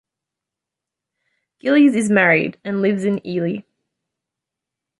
Gillies is married and lives in Ely.